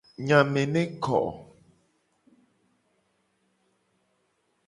Enya me ne ko.